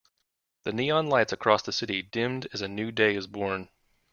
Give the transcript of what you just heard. The neon lights across the city dimmed as a new day is born.